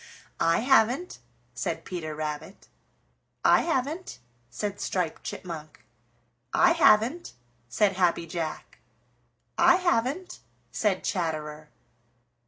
"I haven't," said Peter Rabbit. "I haven't," said Striped Chipmunk. "I haven't," said Happy Jack. "I haven't," said Chatterer.